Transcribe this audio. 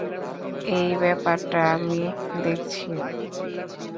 এই ব্যাপারটা আমি দেখছি, ওকে?